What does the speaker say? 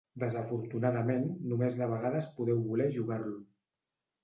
Desafortunadament, només de vegades podeu voler jugar-lo.